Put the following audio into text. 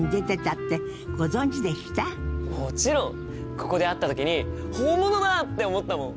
ここで会った時に本物だって思ったもん！